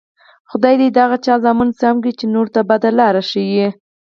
خدای دې د هغه چا زامن سم کړي، چې نورو ته بده لار ښیي.